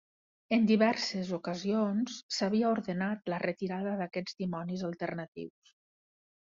En diverses ocasions, s'havia ordenat la retirada d'aquests dimonis alternatius.